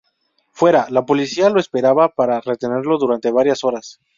Fuera, la policía lo esperaba para retenerlo durante varias horas.